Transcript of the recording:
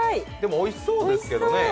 、おいしそうですけどね。